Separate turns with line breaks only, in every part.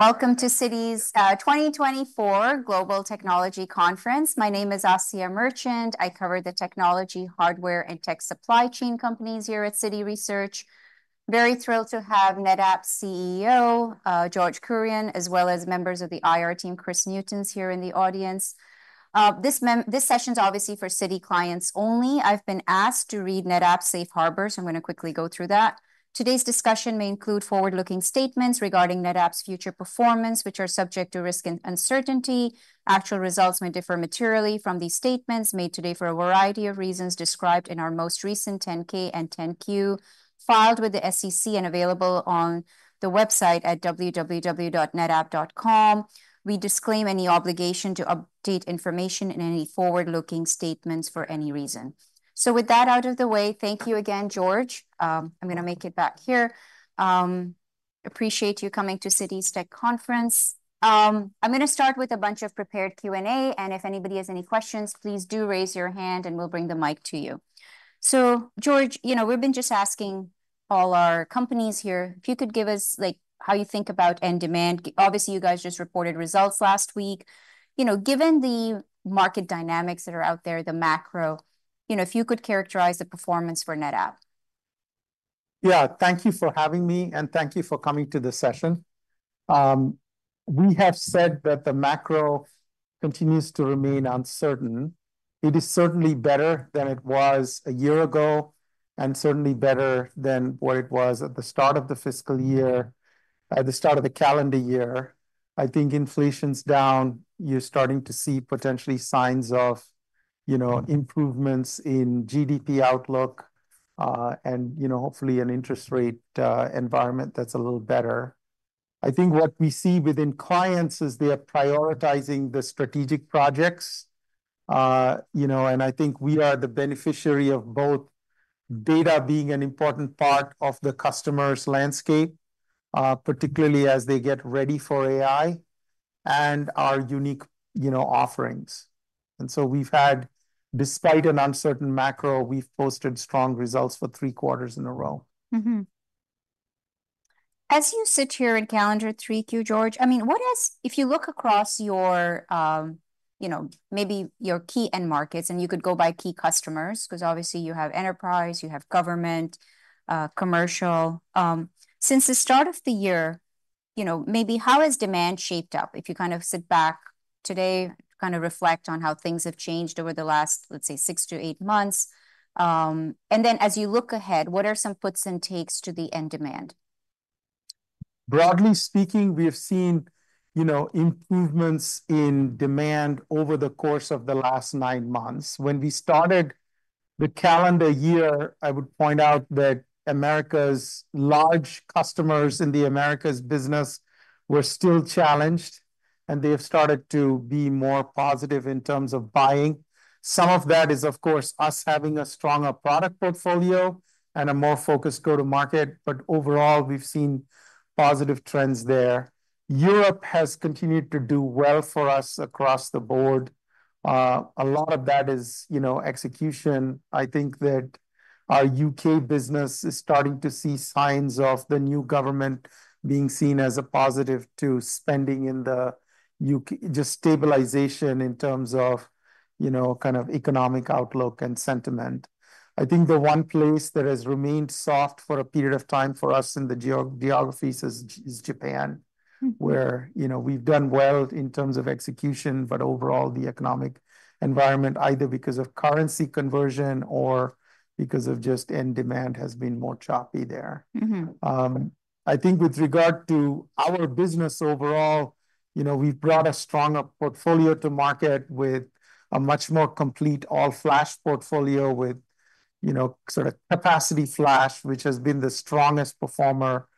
Welcome to Citi's 2024 Global Technology Conference. My name is Asiya Merchant. I cover the technology, hardware, and tech supply chain companies here at Citi Research. Very thrilled to have NetApp's CEO, George Kurian, as well as members of the IR team. ris Newton's here in the audience. This session's obviously for Citi clients only. I've been asked to read NetApp's safe harbor, so I'm gonna quickly go through that. Today's discussion may include forward-looking statements regarding NetApp's future performance, which are subject to risk and uncertainty. Actual results may differ materially from these statements made today for a variety of reasons described in our most recent 10-K and 10-Q filed with the SEC and available on the website at www.netapp.com. We disclaim any obligation to update information in any forward-looking statements for any reason. So with that out of the way, thank you again, George. I'm gonna make it back here. Appreciate you coming to Citi's Tech Conference. I'm gonna start with a bunch of prepared Q&A, and if anybody has any questions, please do raise your hand, and we'll bring the mic to you. So, George, you know, we've been just asking all our companies here, if you could give us, like, how you think about end demand. Obviously, you guys just reported results last week. You know, given the market dynamics that are out there, the macro, you know, if you could characterize the performance for NetApp.
Yeah, thank you for having me, and thank you for coming to the session. We have said that the macro continues to remain uncertain. It is certainly better than it was a year ago, and certainly better than what it was at the start of the fiscal year, at the start of the calendar year. I think inflation's down. You're starting to see potentially signs of, you know, improvements in GDP outlook, and, you know, hopefully an interest rate environment that's a little better. I think what we see within clients is they are prioritizing the strategic projects. You know, and I think we are the beneficiary of both data being an important part of the customer's landscape, particularly as they get ready for AI, and our unique, you know, offerings. And so we've had, despite an uncertain macro, we've posted strong results for three quarters in a row.
Mm-hmm. As you sit here in calendar 3Q, George, I mean, what is-- if you look across your, you know, maybe your key end markets, and you could go by key customers, 'cause obviously you have enterprise, you have government, commercial. Since the start of the year, you know, maybe how has demand shaped up? If you kind of sit back today, kind of reflect on how things have changed over the last, let's say, six to eight months, and then as you look ahead, what are some puts and takes to the end demand?
Broadly speaking, we have seen, you know, improvements in demand over the course of the last nine months. When we started the calendar year, I would point out that Americas' large customers in the Americas business were still challenged, and they have started to be more positive in terms of buying. Some of that is, of course, us having a stronger product portfolio and a more focused go-to-market, but overall, we've seen positive trends there. Europe has continued to do well for us across the board. A lot of that is, you know, execution. I think that our U.K. business is starting to see signs of the new government being seen as a positive to spending in the U.K., just stabilization in terms of, you know, kind of economic outlook and sentiment. I think the one place that has remained soft for a period of time for us in the geographies is Japan-
Mm-hmm.
-where, you know, we've done well in terms of execution, but overall, the economic environment, either because of currency conversion or because of just end demand, has been more choppy there.
Mm-hmm.
I think with regard to our business overall, you know, we've brought a stronger portfolio to market with a much more complete all-flash portfolio with, you know, sort of capacity flash, which has been the strongest performer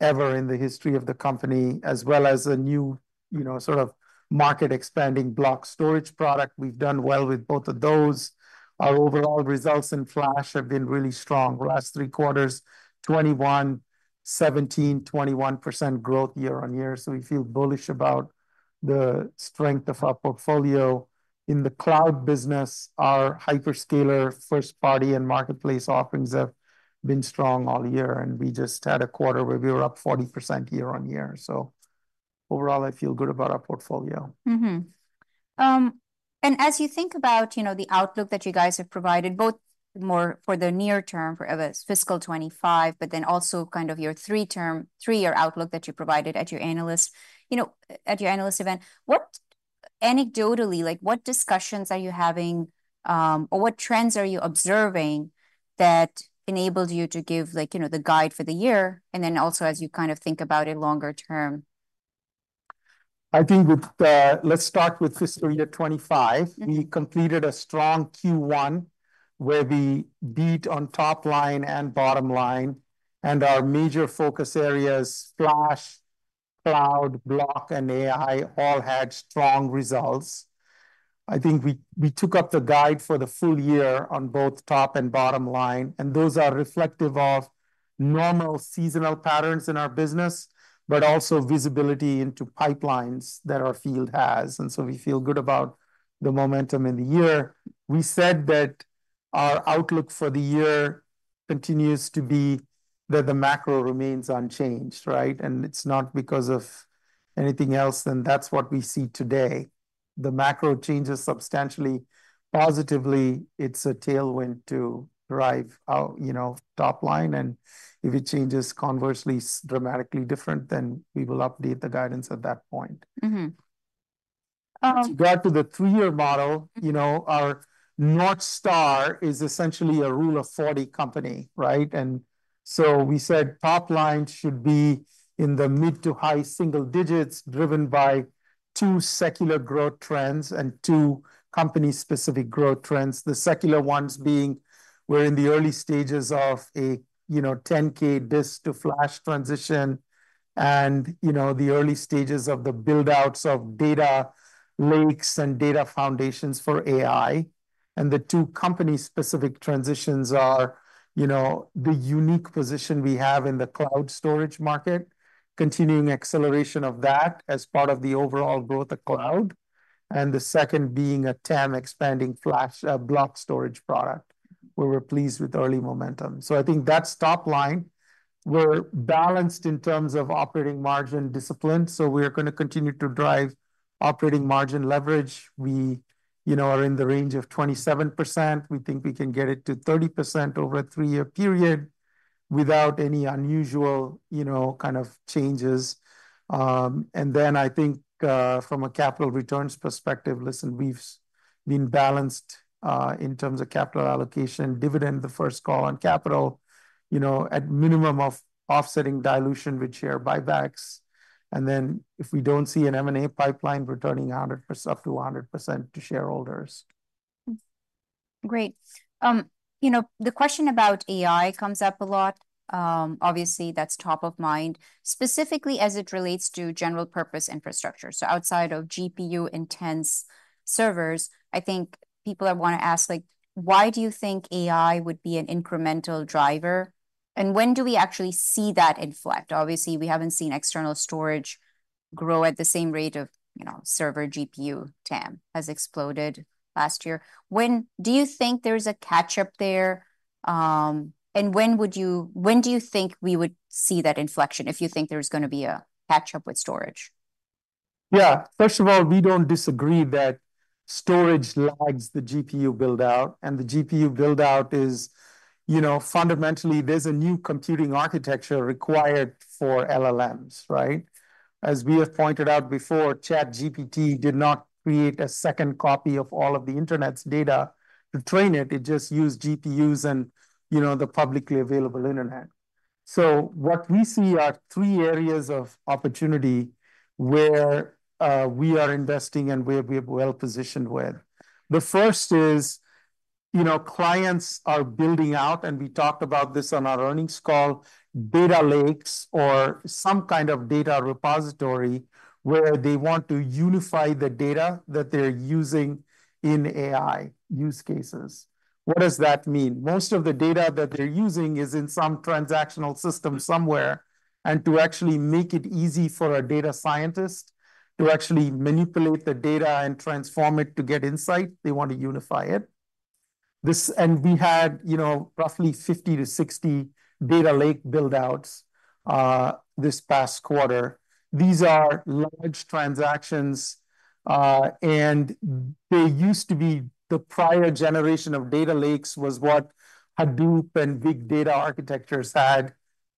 ever in the history of the company, as well as a new, you know, sort of market-expanding block storage product. We've done well with both of those. Our overall results in flash have been really strong the last three quarters, 21, 17, 21% growth year on year, so we feel bullish about the strength of our portfolio. In the cloud business, our hyperscaler, first-party, and marketplace offerings have been strong all year, and we just had a quarter where we were up 40% year on year. So overall, I feel good about our portfolio.
Mm-hmm. And as you think about, you know, the outlook that you guys have provided, both more for the near term, for fiscal twenty-five, but then also kind of your three term, three-year outlook that you provided at your analyst, you know, at your analyst event, what anecdotally, like, what discussions are you having, or what trends are you observing that enabled you to give, like, you know, the guide for the year, and then also as you kind of think about it longer term?
I think with, let's start with fiscal year 2025.
Mm-hmm.
We completed a strong Q1, where we beat on top line and bottom line, and our major focus areas, flash, cloud, block, and AI, all had strong results. I think we took up the guidance for the full year on both top and bottom line, and those are reflective of normal seasonal patterns in our business, but also visibility into pipelines that our field has, and so we feel good about the momentum in the year. We said that our outlook for the year continues to be that the macro remains unchanged, right, and it's not because of anything else, and that's what we see today. The macro changes substantially. Positively, it's a tailwind to drive our top line, you know, and if it changes conversely, dramatically different, then we will update the guidance at that point.
Mm-hmm. Um-
To go to the three-year model, you know, our North Star is essentially a Rule of 40 company, right? And so we said top line should be in the mid to high single digits, driven by two secular growth trends and two company-specific growth trends. The secular ones being we're in the early stages of a, you know, 10K disk to flash transition and, you know, the early stages of the build-outs of data lakes and data foundations for AI. And the two company-specific transitions are, you know, the unique position we have in the cloud storage market, continuing acceleration of that as part of the overall growth of cloud. And the second being a TAM expanding flash, block storage product, where we're pleased with the early momentum. So I think that's top line. We're balanced in terms of operating margin discipline, so we're gonna continue to drive operating margin leverage. We, you know, are in the range of 27%. We think we can get it to 30% over a three-year period without any unusual, you know, kind of changes. And then I think, from a capital returns perspective, listen, we've been balanced in terms of capital allocation, dividend, the first call on capital, you know, at minimum of offsetting dilution with share buybacks. And then, if we don't see an M&A pipeline, we're returning 100% up to 100% to shareholders.
Great. You know, the question about AI comes up a lot. Obviously, that's top of mind, specifically as it relates to general purpose infrastructure. So outside of GPU-intense servers, I think people wanna ask, like: Why do you think AI would be an incremental driver, and when do we actually see that inflect? Obviously, we haven't seen external storage grow at the same rate of, you know, server GPU TAM, has exploded last year. When do you think there's a catch-up there? And when do you think we would see that inflection, if you think there's gonna be a catch-up with storage?
Yeah. First of all, we don't disagree that storage lags the GPU build-out, and the GPU build-out is... You know, fundamentally, there's a new computing architecture required for LLMs, right? As we have pointed out before, ChatGPT did not create a second copy of all of the internet's data to train it. It just used GPUs and, you know, the publicly available internet. So what we see are three areas of opportunity where we are investing and where we're well-positioned with. The first is, you know, clients are building out, and we talked about this on our earnings call, data lakes or some kind of data repository, where they want to unify the data that they're using in AI use cases. What does that mean? Most of the data that they're using is in some transactional system somewhere, and to actually make it easy for a data scientist to actually manipulate the data and transform it to get insight, they want to unify it. This and we had, you know, roughly 50 to 60 data lake build-outs, this past quarter. These are large transactions, and they used to be the prior generation of data lakes was what Hadoop and big data architectures had.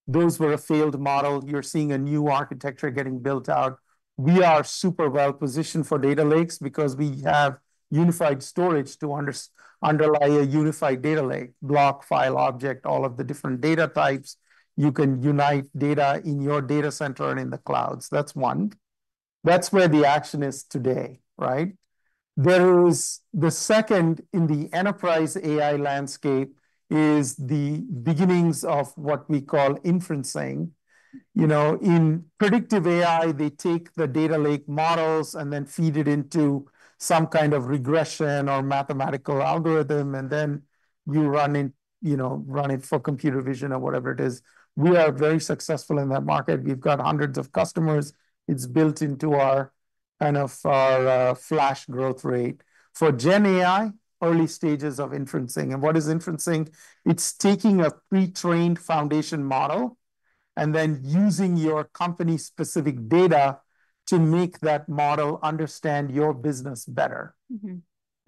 Those were a failed model. You're seeing a new architecture getting built out. We are super well-positioned for data lakes because we have unified storage to underlie a unified data lake, block, file, object, all of the different data types. You can unite data in your data center and in the clouds. That's one. That's where the action is today, right? There is the second, in the enterprise AI landscape, is the beginnings of what we call inferencing. You know, in predictive AI, they take the data lake models and then feed it into some kind of regression or mathematical algorithm, and then you run it, you know, run it for computer vision or whatever it is. We are very successful in that market. We've got hundreds of customers. It's built into our, kind of our, flash growth rate. For GenAI, early stages of inferencing. And what is inferencing? It's taking a pre-trained foundation model and then using your company's specific data to make that model understand your business better.
Mm-hmm.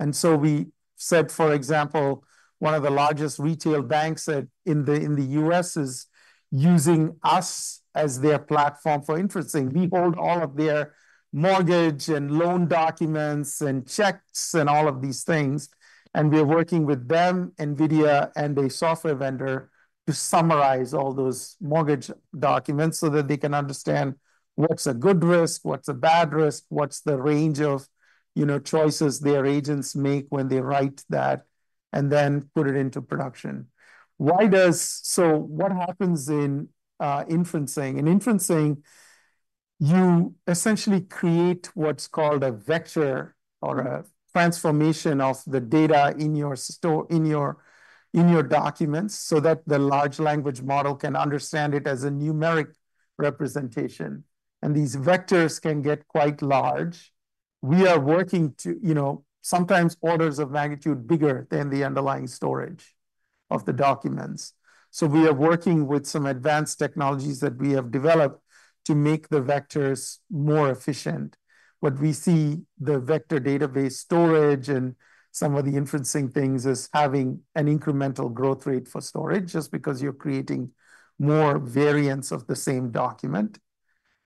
And so we said, for example, one of the largest retail banks in the U.S. is using us as their platform for inferencing. We hold all of their mortgage and loan documents and checks and all of these things, and we're working with them, NVIDIA, and a software vendor to summarize all those mortgage documents so that they can understand what's a good risk, what's a bad risk, what's the range of, you know, choices their agents make when they write that, and then put it into production. So what happens in inferencing? In inferencing, you essentially create what's called a vector or a transformation of the data in your documents, so that the large language model can understand it as a numeric representation, and these vectors can get quite large. We are working to, you know, sometimes orders of magnitude bigger than the underlying storage of the documents. So we are working with some advanced technologies that we have developed to make the vectors more efficient. What we see: the vector database storage and some of the inferencing things as having an incremental growth rate for storage, just because you're creating more variants of the same document.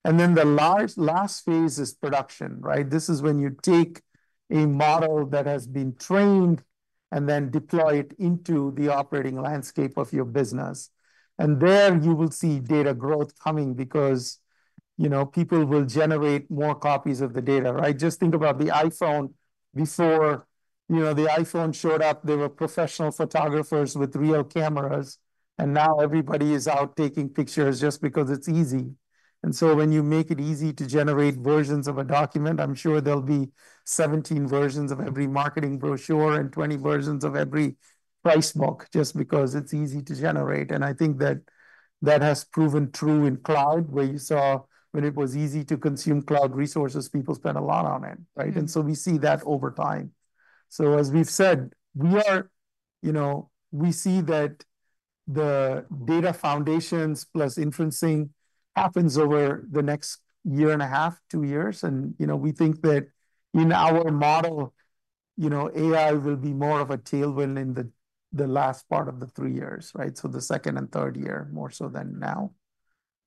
And then the large last phase is production, right? This is when you take a model that has been trained and then deploy it into the operating landscape of your business. And there you will see data growth coming because, you know, people will generate more copies of the data, right? Just think about the iPhone. Before, you know, the iPhone showed up, there were professional photographers with real cameras, and now everybody is out taking pictures just because it's easy. And so when you make it easy to generate versions of a document, I'm sure there'll be seventeen versions of every marketing brochure and twenty versions of every price book, just because it's easy to generate. And I think that that has proven true in cloud, where you saw when it was easy to consume cloud resources, people spent a lot on it, right? And so we see that over time. So as we've said, we are, you know, we see that the data foundations plus inferencing happens over the next year and a half, two years. And, you know, we think that in our model, you know, AI will be more of a tailwind in the, the last part of the three years, right? So the second and third year, more so than now.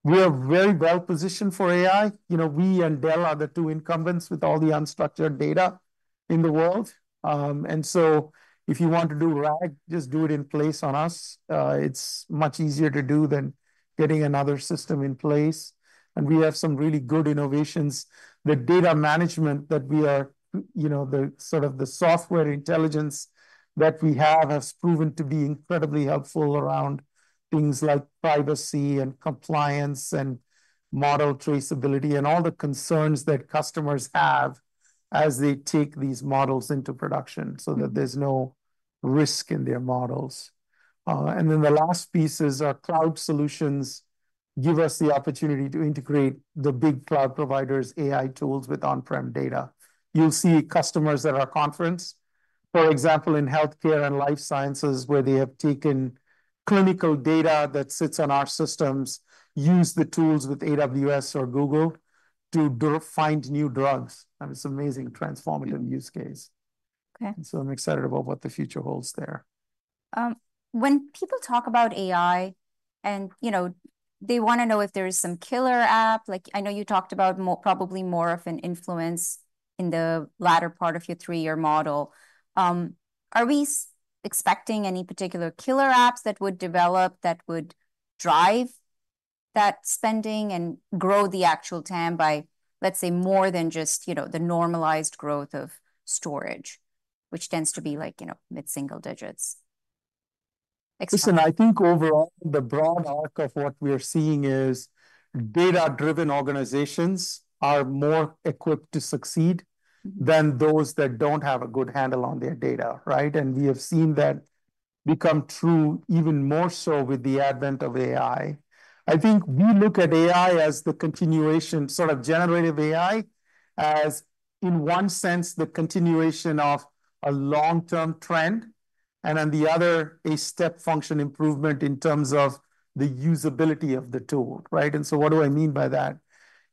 We are very well positioned for AI. You know, we and Dell are the two incumbents with all the unstructured data in the world, and so if you want to do RAG, just do it in place on us. It's much easier to do than getting another system in place, and we have some really good innovations. The data management that we are, you know, the sort of the software intelligence that we have, has proven to be incredibly helpful around things like privacy and compliance and model traceability, and all the concerns that customers have as they take these models into production, so that there's no risk in their models, and then the last piece is our cloud solutions give us the opportunity to integrate the big cloud providers' AI tools with on-prem data. You'll see customers at our conference, for example, in healthcare and life sciences, where they have taken clinical data that sits on our systems, use the tools with AWS or Google to do, find new drugs, and it's amazing, transformative use case.
Okay.
I'm excited about what the future holds there.
When people talk about AI, and, you know, they wanna know if there is some killer app, like I know you talked about more, probably more of an influence in the latter part of your three-year model. Are we expecting any particular killer apps that would develop, that would drive that spending and grow the actual TAM by, let's say, more than just, you know, the normalized growth of storage, which tends to be like, you know, mid-single digits? Ex-
Listen, I think overall, the broad arc of what we are seeing is data-driven organizations are more equipped to succeed than those that don't have a good handle on their data, right, and we have seen that become true even more so with the advent of AI. I think we look at AI as the continuation, sort of generative AI, as in one sense, the continuation of a long-term trend, and on the other, a step function improvement in terms of the usability of the tool, right, and so what do I mean by that?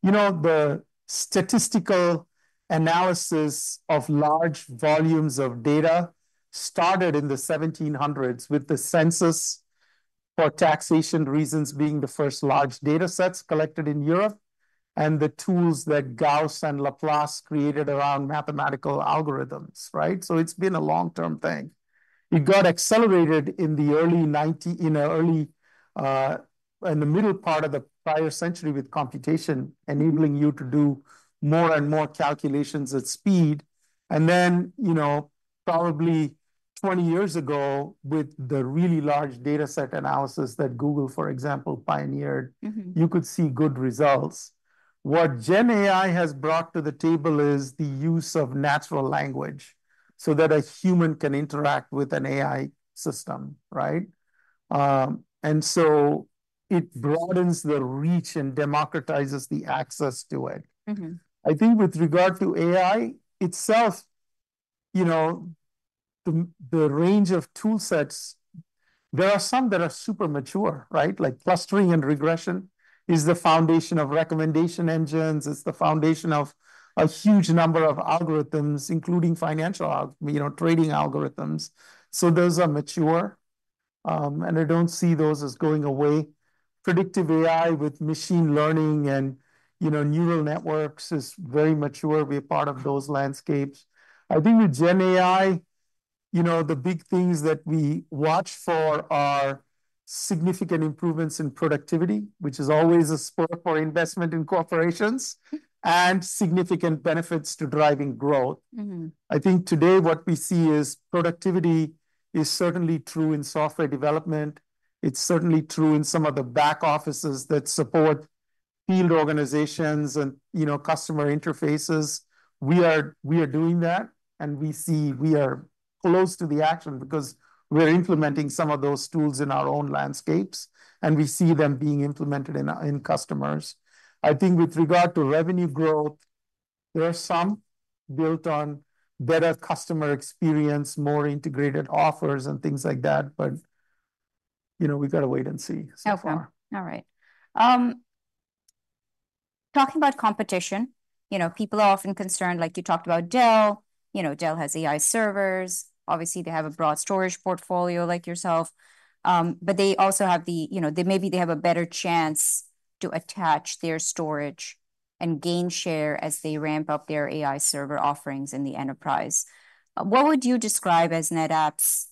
You know, the statistical analysis of large volumes of data started in the seventeen hundreds, with the census for taxation reasons being the first large datasets collected in Europe, and the tools that Gauss and Laplace created around mathematical algorithms, right, so it's been a long-term thing. It got accelerated in the middle part of the prior century with computation, enabling you to do more and more calculations at speed. And then, you know, probably twenty years ago, with the really large dataset analysis that Google, for example, pioneered-
Mm-hmm.
You could see good results. What Gen AI has brought to the table is the use of natural language, so that a human can interact with an AI system, right? And so it broadens the reach and democratizes the access to it.
Mm-hmm.
I think with regard to AI itself, you know, the range of tool sets, there are some that are super mature, right? Like clustering and regression is the foundation of recommendation engines. It's the foundation of a huge number of algorithms, including financial, you know, trading algorithms so those are mature, and I don't see those as going away. Predictive AI with machine learning and, you know, neural networks is very mature, being a part of those landscapes. I think with Gen AI, you know, the big things that we watch for are significant improvements in productivity, which is always a spot for investment in corporations, and significant benefits to driving growth.
Mm-hmm.
I think today what we see is productivity is certainly true in software development. It's certainly true in some of the back offices that support field organizations and, you know, customer interfaces. We are doing that, and we see we are close to the action, because we're implementing some of those tools in our own landscapes, and we see them being implemented in our customers. I think with regard to revenue growth, there are some built on better customer experience, more integrated offers, and things like that, but, you know, we've gotta wait and see so far.
Okay. All right. Talking about competition, you know, people are often concerned, like you talked about Dell. You know, Dell has AI servers. Obviously, they have a broad storage portfolio like yourself. But they also have the, you know, they maybe have a better chance to attach their storage and gain share as they ramp up their AI server offerings in the enterprise. What would you describe as NetApp's,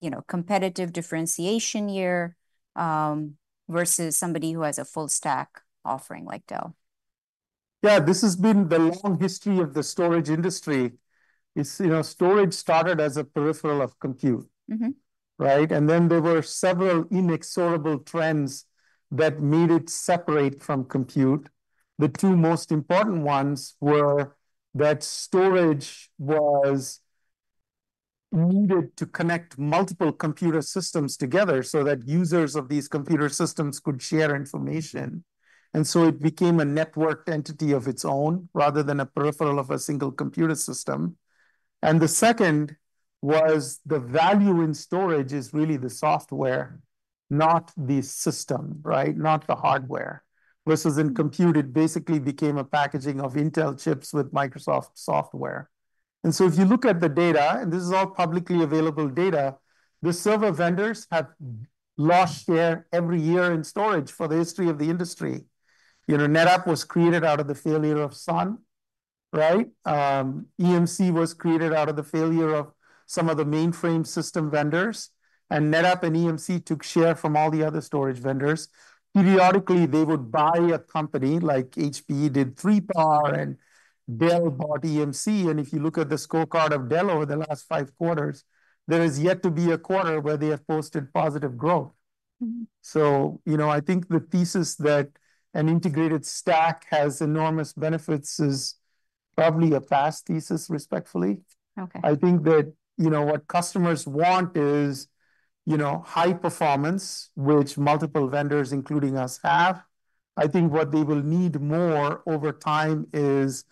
you know, competitive differentiation here, versus somebody who has a full stack offering like Dell?
Yeah, this has been the long history of the storage industry. You know, storage started as a peripheral of compute.
Mm-hmm.
Right? And then there were several inexorable trends that made it separate from compute. The two most important ones were that storage was needed to connect multiple computer systems together so that users of these computer systems could share information, and so it became a networked entity of its own, rather than a peripheral of a single computer system. And the second was the value in storage is really the software, not the system, right? Not the hardware. Versus in compute, it basically became a packaging of Intel chips with Microsoft software. And so if you look at the data, and this is all publicly available data, the server vendors have lost share every year in storage for the history of the industry. You know, NetApp was created out of the failure of Sun, right? EMC was created out of the failure of some of the mainframe system vendors, and NetApp and EMC took share from all the other storage vendors. Periodically, they would buy a company, like HP did 3PAR and Dell bought EMC, and if you look at the scorecard of Dell over the last five quarters, there is yet to be a quarter where they have posted positive growth.
Mm.
So, you know, I think the thesis that an integrated stack has enormous benefits is probably a vast thesis, respectfully.
Okay.
I think that, you know, what customers want is, you know, high performance, which multiple vendors, including us, have. I think what they will need more over time is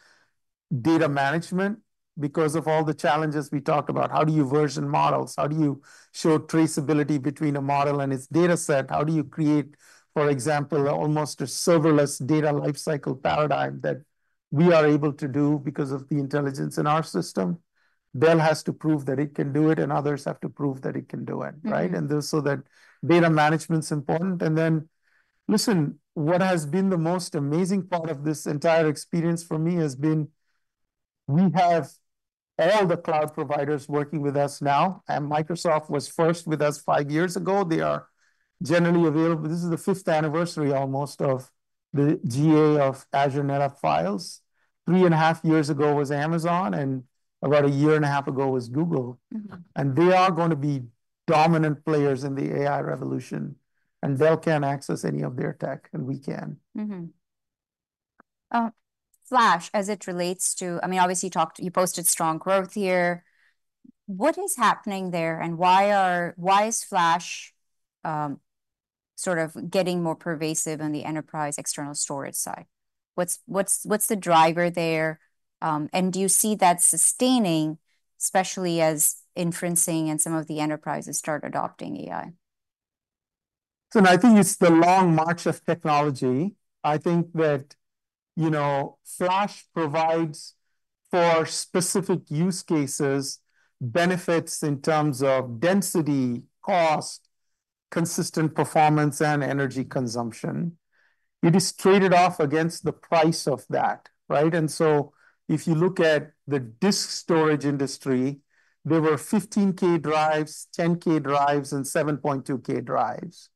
data management because of all the challenges we talked about. How do you version models? How do you show traceability between a model and its dataset? How do you create, for example, almost a serverless data life cycle paradigm that we are able to do because of the intelligence in our system? Dell has to prove that it can do it, and others have to prove that it can do it, right?
Mm-hmm.
And so that data management is important. And then, listen, what has been the most amazing part of this entire experience for me has been we have all the cloud providers working with us now, and Microsoft was first with us five years ago. They are generally available. This is the fifth anniversary, almost, of the GA of Azure NetApp Files. Three and a half years ago was Amazon, and about a year and a half ago was Google.
Mm-hmm.
And they are gonna be dominant players in the AI revolution, and Dell can't access any of their tech, and we can.
Mm-hmm. Flash, as it relates to, I mean, obviously, you talked, you posted strong growth here. What is happening there, and why is Flash sort of getting more pervasive in the enterprise external storage side? What's the driver there, and do you see that sustaining, especially as inferencing and some of the enterprises start adopting AI?
So I think it's the long march of technology. I think that, you know, Flash provides, for specific use cases, benefits in terms of density, cost, consistent performance, and energy consumption. It is traded off against the price of that, right? And so if you look at the disk storage industry, there were 15K drives, 10K drives, and 7.2K drives.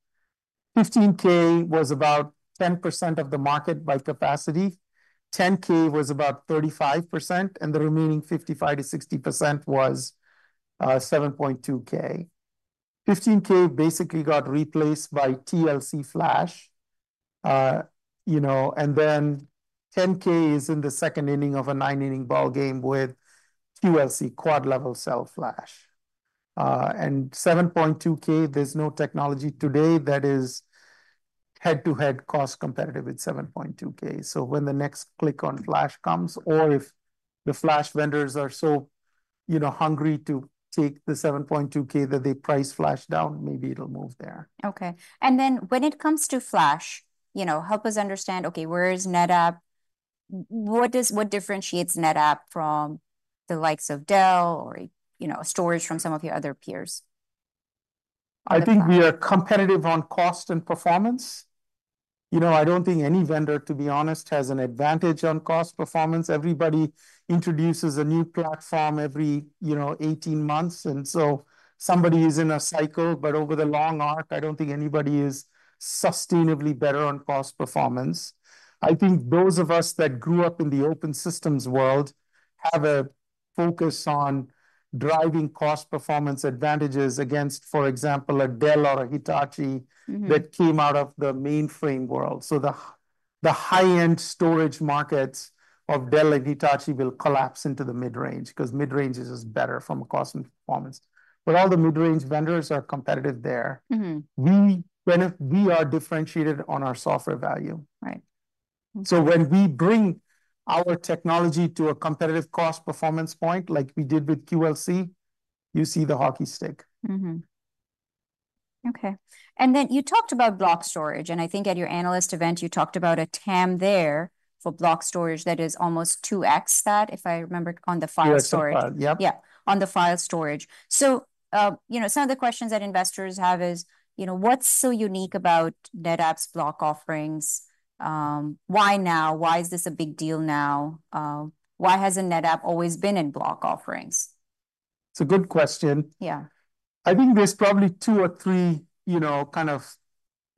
15K was about 10% of the market by capacity, 10K was about 35%, and the remaining 55%-60% was 7.2K. 15K basically got replaced by TLC Flash, you know, and then 10K is in the second inning of a nine-inning ballgame with QLC, quad-level cell Flash. and 7.2K, there's no technology today that is head-to-head cost competitive with 7.2K, so when the next click on Flash comes or if the Flash vendors are so, you know, hungry to take the 7.2K that they price Flash down, maybe it'll move there.
Okay. And then when it comes to Flash, you know, help us understand, okay, where is NetApp? What is... what differentiates NetApp from the likes of Dell or, you know, storage from some of your other peers?
I think we are competitive on cost and performance. You know, I don't think any vendor, to be honest, has an advantage on cost performance. Everybody introduces a new platform every, you know, eighteen months, and so somebody is in a cycle. But over the long arc, I don't think anybody is sustainably better on cost performance. I think those of us that grew up in the open systems world have a focus on driving cost performance advantages against, for example, a Dell or a Hitachi-
Mm-hmm...
that came out of the mainframe world. So the high-end storage markets of Dell and Hitachi will collapse into the mid-range, 'cause mid-range is just better from a cost and performance. But all the mid-range vendors are competitive there.
Mm-hmm.
We, when if we are differentiated on our software value-
Right.
So when we bring our technology to a competitive cost performance point, like we did with QLC, you see the hockey stick.
Mm-hmm. Okay, and then you talked about block storage, and I think at your analyst event, you talked about a TAM there for block storage that is almost two X that, if I remember, on the file storage.
Yeah, so file. Yep.
Yeah, on the file storage. So, you know, some of the questions that investors have is, you know, what's so unique about NetApp's block offerings? Why now? Why is this a big deal now? Why hasn't NetApp always been in block offerings?
It's a good question.
Yeah.
I think there's probably two or three, you know, kind of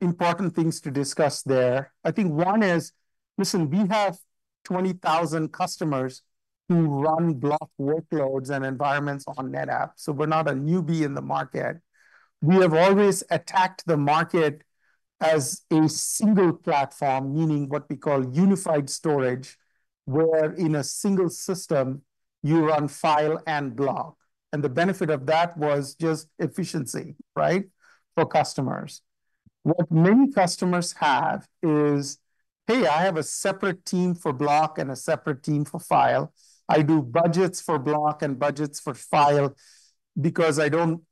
important things to discuss there. I think one is, listen, we have 20,000 customers who run block workloads and environments on NetApp, so we're not a newbie in the market. We have always attacked the market as a single platform, meaning what we call unified storage, where in a single system you run file and block, and the benefit of that was just efficiency, right, for customers. What many customers have is, "Hey, I have a separate team for block and a separate team for file. I do budgets for block and budgets for file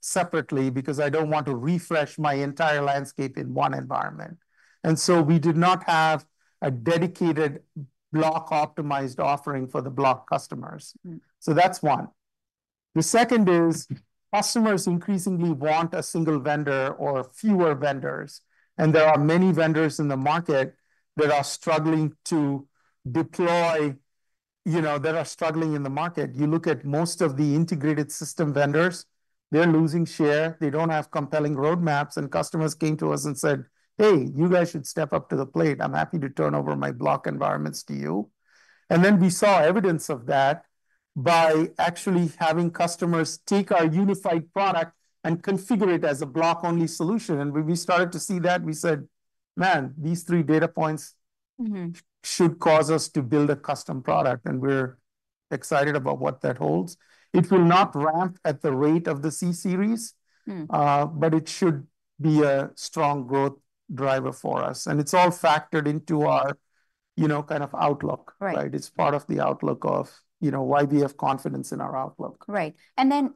separately, because I don't want to refresh my entire landscape in one environment." And so we did not have a dedicated block-optimized offering for the block customers.
Mm.
So that's one. The second is, customers increasingly want a single vendor or fewer vendors, and there are many vendors in the market that are struggling to deploy, you know, that are struggling in the market. You look at most of the integrated system vendors, they're losing share, they don't have compelling roadmaps, and customers came to us and said, "Hey, you guys should step up to the plate. I'm happy to turn over my block environments to you." And then we saw evidence of that by actually having customers take our unified product and configure it as a block-only solution. And when we started to see that, we said, "Man, these three data points-
Mm-hmm...
should cause us to build a custom product," and we're excited about what that holds. It will not ramp at the rate of the C-Series-
Mm...
but it should be a strong growth driver for us, and it's all factored into our, you know, kind of outlook.
Right.
Right? It's part of the outlook of, you know, why we have confidence in our outlook.
Right. And then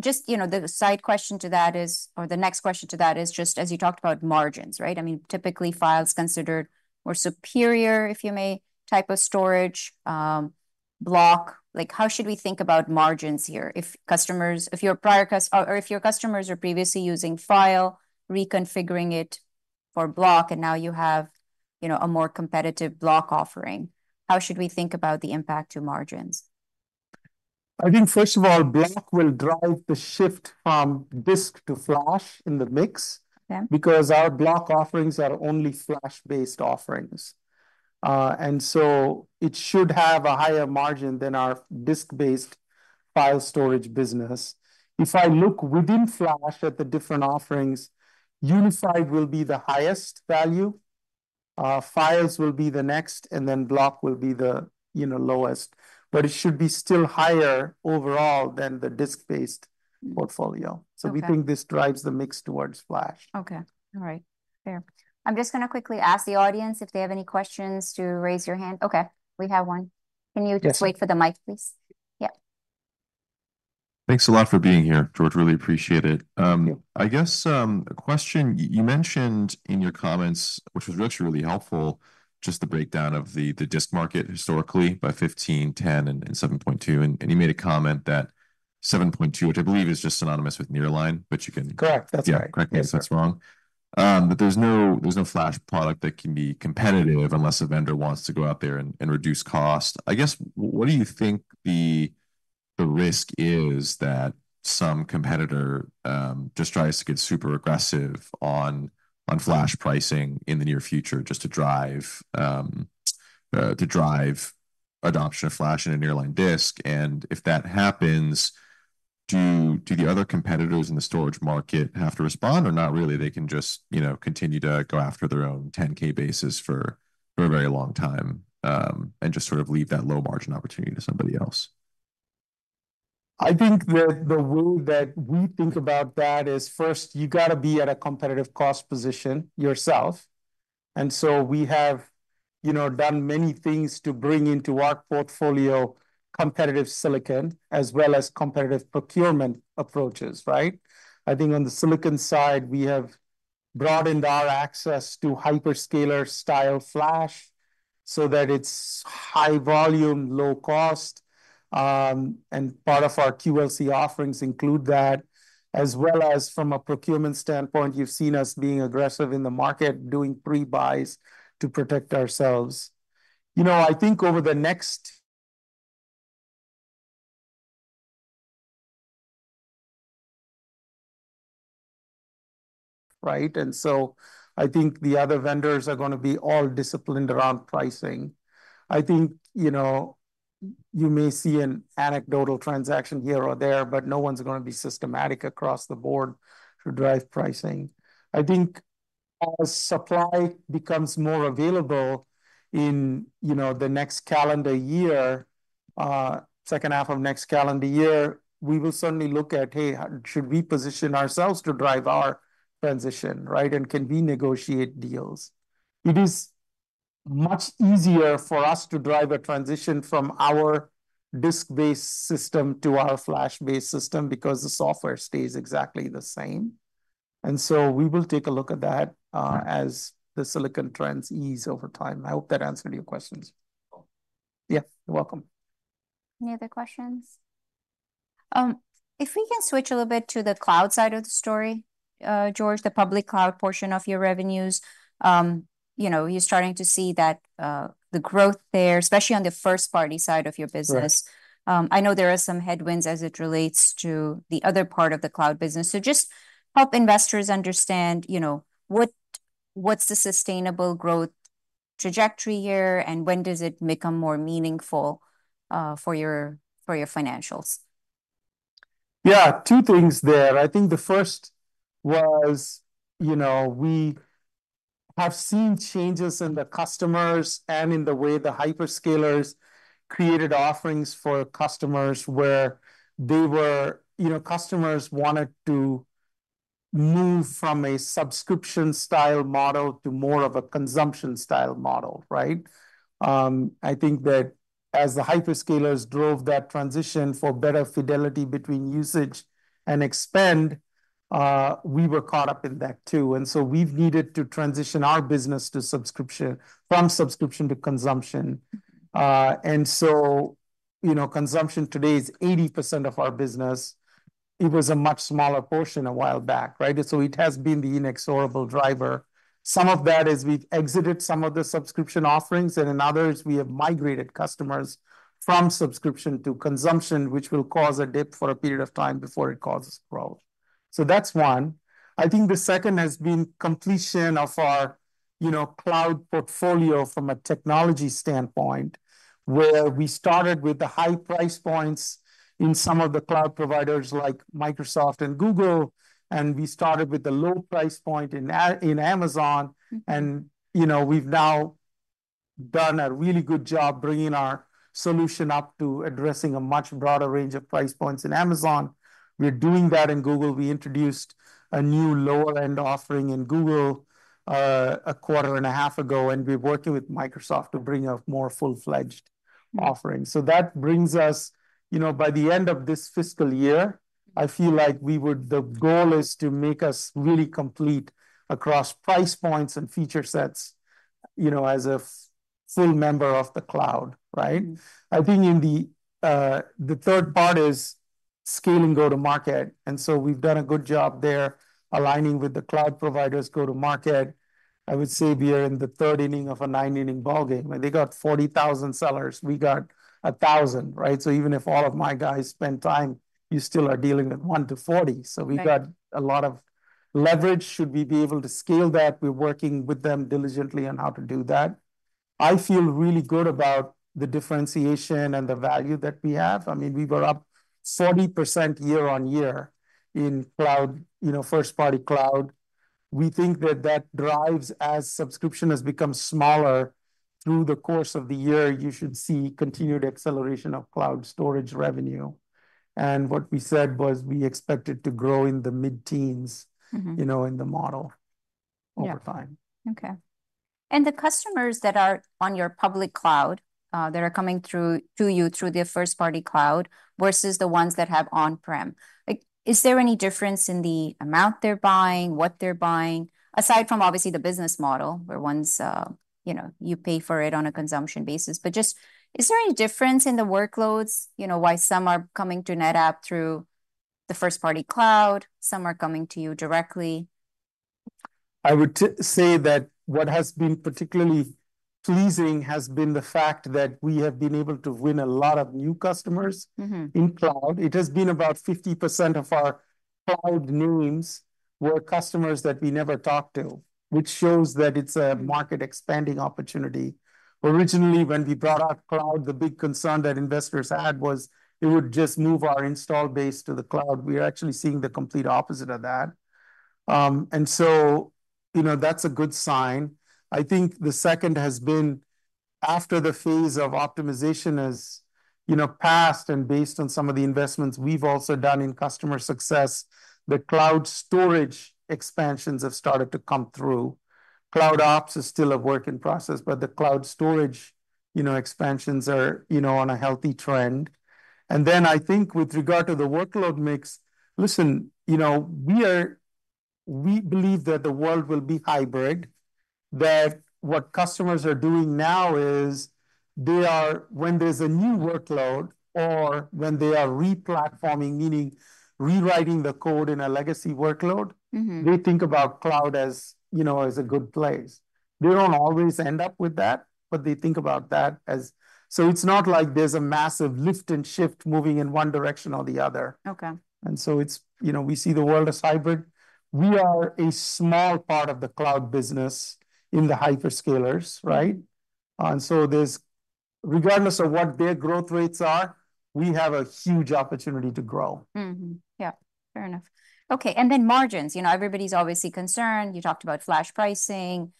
just, you know, the side question to that is, or the next question to that is, just as you talked about margins, right? I mean, typically file's considered more superior, if you may, type of storage, block. Like, how should we think about margins here if customers... If your prior or if your customers are previously using file, reconfiguring it for block, and now you have, you know, a more competitive block offering, how should we think about the impact to margins?
I think, first of all, block will drive the shift from disk to flash in the mix-
Yeah...
because our block offerings are only flash-based offerings. And so it should have a higher margin than our disk-based file storage business. If I look within flash at the different offerings, unified will be the highest value, files will be the next, and then block will be the, you know, lowest. But it should be still higher overall than the disk-based portfolio.
Okay.
So we think this drives the mix towards flash.
Okay. All right. Fair. I'm just gonna quickly ask the audience if they have any questions, to raise your hand. Okay, we have one.
Yes.
Can you just wait for the mic, please? Yep. Thanks a lot for being here, George. Really appreciate it.
Yeah. I guess a question. You mentioned in your comments, which was actually really helpful, just the breakdown of the disk market historically by 15, 10, and 7.2, and you made a comment that 7.2, which I believe is just synonymous with nearline, but you can- Correct. That's right. Yeah, correct me if that's wrong, but there's no, there's no flash product that can be competitive unless a vendor wants to go out there and, and reduce cost. I guess, what do you think the risk is that some competitor just tries to get super aggressive on flash pricing in the near future just to drive adoption of flash in a nearline disk? And if that happens, do the other competitors in the storage market have to respond? Or not really, they can just, you know, continue to go after their own 10K bases for a very long time, and just sort of leave that low-margin opportunity to somebody else? I think that the way that we think about that is, first, you gotta be at a competitive cost position yourself, and so we have, you know, done many things to bring into our portfolio competitive silicon, as well as competitive procurement approaches, right? I think on the silicon side, we have broadened our access to hyperscaler-style flash so that it's high volume, low cost, and part of our QLC offerings include that. As well as from a procurement standpoint, you've seen us being aggressive in the market, doing pre-buys to protect ourselves. You know, right, and so I think the other vendors are gonna be all disciplined around pricing. I think you may see an anecdotal transaction here or there, but no one's gonna be systematic across the board to drive pricing. I think as supply becomes more available in, you know, the next calendar year, second half of next calendar year, we will certainly look at, "Hey, how should we position ourselves to drive our transition, right? And can we negotiate deals?" It is much easier for us to drive a transition from our disk-based system to our flash-based system, because the software stays exactly the same. And so we will take a look at that, as the silicon trends ease over time. I hope that answered your questions. Cool. Yeah, you're welcome.
Any other questions? If we can switch a little bit to the cloud side of the story, George, the public cloud portion of your revenues. You know, you're starting to see that, the growth there, especially on the first-party side of your business.
Right.
I know there are some headwinds as it relates to the other part of the cloud business. So just help investors understand, you know, what, what's the sustainable growth trajectory here, and when does it become more meaningful, for your financials?
Yeah, two things there. I think the first was, you know, we have seen changes in the customers and in the way the hyperscalers created offerings for customers, where they were... You know, customers wanted to move from a subscription-style model to more of a consumption-style model, right? I think that as the hyperscalers drove that transition for better fidelity between usage and spend, we were caught up in that, too. And so we've needed to transition our business to subscription, from subscription to consumption. And so, you know, consumption today is 80% of our business. It was a much smaller portion a while back, right? And so it has been the inexorable driver. Some of that is we've exited some of the subscription offerings, and in others we have migrated customers from subscription to consumption, which will cause a dip for a period of time before it causes growth. So that's one. I think the second has been completion of our, you know, cloud portfolio from a technology standpoint, where we started with the high price points in some of the cloud providers like Microsoft and Google, and we started with the low price point in Amazon. And, you know, we've now done a really good job bringing our solution up to addressing a much broader range of price points in Amazon. We're doing that in Google. We introduced a new lower-end offering in Google, a quarter and a half ago, and we're working with Microsoft to bring a more full-fledged offering. So that brings us... You know, by the end of this fiscal year, I feel like we would-- the goal is to make us really complete across price points and feature sets, you know, as a full member of the cloud, right? I think in the third part is scaling go-to-market, and so we've done a good job there aligning with the cloud providers' go-to-market. I would say we are in the third inning of a nine-inning ballgame, and they got 40,000 sellers. We got 1,000, right? So even if all of my guys spend time, you still are dealing with one to forty.
Right.
So we got a lot of leverage should we be able to scale that. We're working with them diligently on how to do that. I feel really good about the differentiation and the value that we have. I mean, we were up 40% year on year in cloud, you know, first-party cloud. We think that that drives as subscription has become smaller. Through the course of the year, you should see continued acceleration of cloud storage revenue. And what we said was, we expect it to grow in the mid-teens.
Mm-hmm...
you know, in the model-
Yeah
-over time.
Okay. And the customers that are on your public cloud, that are coming through to you through the first-party cloud, versus the ones that have on-prem, like, is there any difference in the amount they're buying, what they're buying? Aside from obviously the business model, where once, you know, you pay for it on a consumption basis. But just, is there any difference in the workloads, you know, why some are coming to NetApp through the first-party cloud, some are coming to you directly?
I would say that what has been particularly pleasing has been the fact that we have been able to win a lot of new customers.
Mm-hmm...
in cloud. It has been about 50% of our cloud names were customers that we never talked to, which shows that it's a market-expanding opportunity. Originally, when we brought out cloud, the big concern that investors had was it would just move our install base to the cloud. We are actually seeing the complete opposite of that, and so, you know, that's a good sign. I think the second has been after the phase of optimization has, you know, passed, and based on some of the investments we've also done in customer success, the cloud storage expansions have started to come through. Cloud ops is still a work in process, but the cloud storage, you know, expansions are, you know, on a healthy trend. And then, I think with regard to the workload mix, listen, you know, we are. We believe that the world will be hybrid, that what customers are doing now is, they are. When there's a new workload or when they are re-platforming, meaning rewriting the code in a legacy workload-
Mm-hmm...
they think about cloud as, you know, as a good place. They don't always end up with that, but they think about that as... So it's not like there's a massive lift-and-shift moving in one direction or the other.
Okay.
And so it's, you know, we see the world as hybrid. We are a small part of the cloud business in the hyperscalers, right? And so there's, regardless of what their growth rates are, we have a huge opportunity to grow.
Mm-hmm. Yeah, fair enough. Okay, and then margins, you know, everybody's obviously concerned. You talked about flash pricing.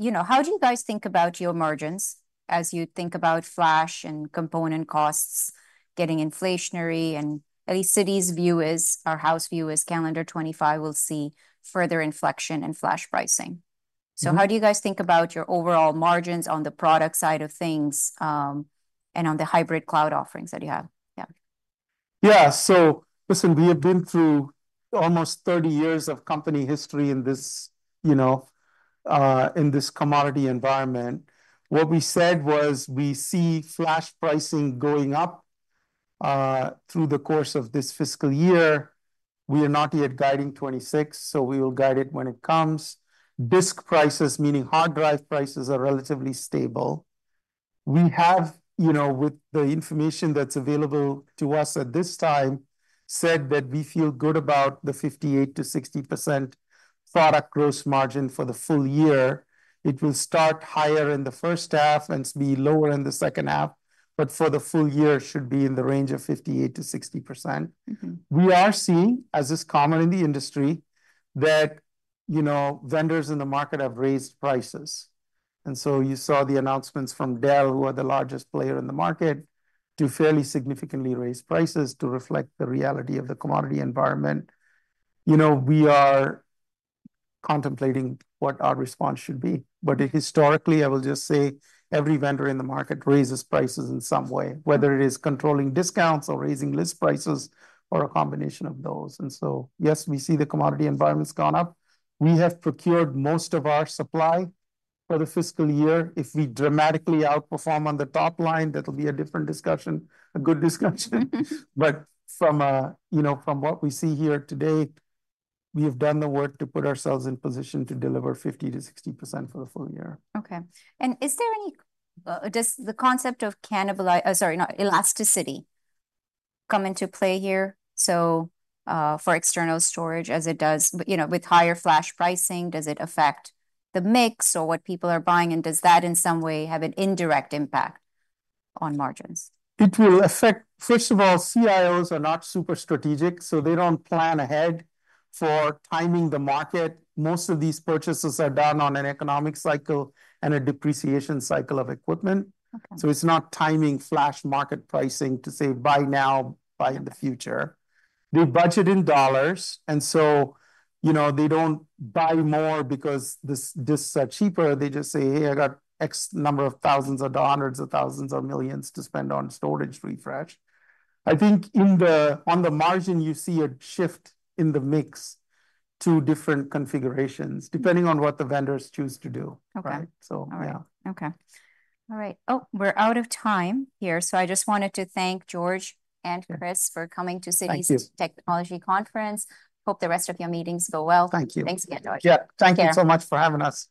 You know, how do you guys think about your margins as you think about flash and component costs getting inflationary? And at least Citi's view is, our house view is calendar 2025 will see further inflection in flash pricing.
Mm-hmm.
So how do you guys think about your overall margins on the product side of things, and on the hybrid cloud offerings that you have? Yeah.
Yeah, so listen, we have been through almost thirty years of company history in this, you know, in this commodity environment. What we said was, we see flash pricing going up through the course of this fiscal year. We are not yet guiding 2026, so we will guide it when it comes. Disk prices, meaning hard drive prices, are relatively stable. We have, you know, with the information that's available to us at this time, said that we feel good about the 58%-60% product gross margin for the full year. It will start higher in the first half and be lower in the second half, but for the full year, should be in the range of 58%-60%.
Mm-hmm.
We are seeing, as is common in the industry, that, you know, vendors in the market have raised prices, and so you saw the announcements from Dell, who are the largest player in the market, to fairly significantly raise prices to reflect the reality of the commodity environment. You know, we are contemplating what our response should be, but historically, I will just say, every vendor in the market raises prices in some way, whether it is controlling discounts or raising list prices or a combination of those. And so, yes, we see the commodity environment's gone up. We have procured most of our supply for the fiscal year. If we dramatically outperform on the top line, that'll be a different discussion, a good discussion, but from, you know, from what we see here today, we have done the work to put ourselves in position to deliver 50%-60% for the full year.
Okay. And is there any... does the concept of elasticity come into play here? So, for external storage as it does, you know, with higher flash pricing, does it affect the mix or what people are buying, and does that, in some way, have an indirect impact on margins?
It will affect. First of all, CIOs are not super strategic, so they don't plan ahead for timing the market. Most of these purchases are done on an economic cycle and a depreciation cycle of equipment.
Okay.
So it's not timing flash market pricing to say, "Buy now, buy in the future." They budget in dollars, and so, you know, they don't buy more because this, disks are cheaper. They just say, "Hey, I got X number of thousands or hundreds of thousands or millions to spend on storage refresh." I think in the, on the margin, you see a shift in the mix to different configurations-
Mm...
depending on what the vendors choose to do.
Okay.
Right. So, yeah.
All right. Oh, we're out of time here, so I just wanted to thank George and Chris.
Thank you...
for coming to Citi's Technology Conference. Hope the rest of your meetings go well.
Thank you.
Thanks again, George.
Yeah.
Take care.
Thank you so much for having us.